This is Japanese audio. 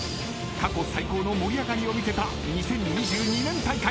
［過去最高の盛り上がりを見せた２０２２年大会］